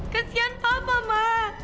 kesian papa ma